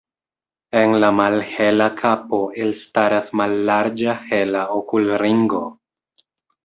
En la malhela kapo elstaras mallarĝa hela okulringo.